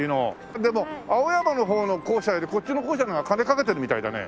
でも青山の方の校舎よりこっちの校舎のが金掛けてるみたいだね。